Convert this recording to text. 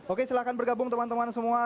oke silahkan bergabung teman teman semua